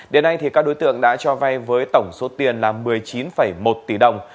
đến nay các đối tượng đã cho vay với tổng số tiền là một mươi chín một tỷ đồng